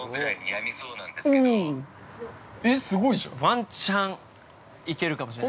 ◆ワンチャン行けるかもしれない。